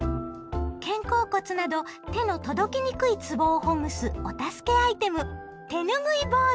肩甲骨など手の届きにくいつぼをほぐすお助けアイテム手ぬぐいボール！